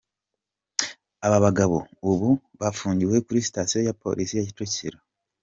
Aba bagabo ubu bafungiwe kuri Sitasiyo ya Polisi ya Kicukiro.